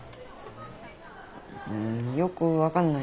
ううんよく分かんない。